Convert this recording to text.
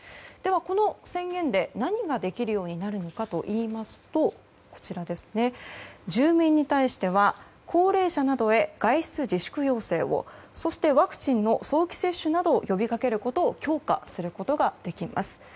この宣言で何ができるようになるかといいますと住民に対しては高齢者などへ外出自粛要請をそして、ワクチンの早期接種などを呼びかけることを強化することができます。